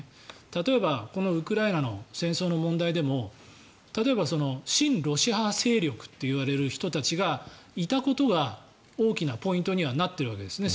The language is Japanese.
例えばこのウクライナの戦争の問題でも例えば親ロシア派勢力といわれる人たちがいたことが、大きなポイントにはなっているわけですね